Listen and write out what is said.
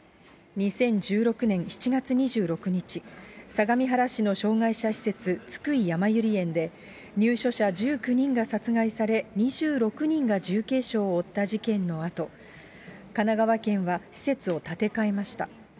２０１６年７月２６日、相模原市の障がい者施設、津久井やまゆり園で、入所者１９人が殺害され２６人が重軽傷を負った事件のあと、神奈川県は施設を建て替えました。